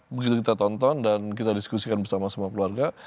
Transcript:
begitu kita tonton dan kita diskusikan bersama sama keluarga